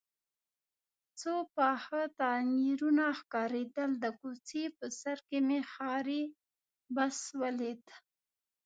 څو پاخه تعمیرونه ښکارېدل، د کوڅې په سر کې مې ښاري بس ولید.